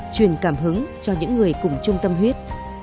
truyền cảm hứng cho những người cùng trung tâm huyết